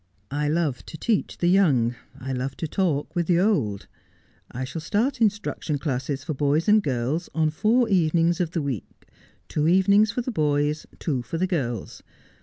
I love to teach the young, I love to talk with the old. I shall start instruction classes for boys and girls on four evenings of the week, two evenings for the boys, two for the girls.